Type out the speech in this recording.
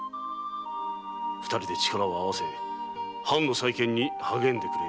二人で力を合わせ藩の再建に励んでくれよ。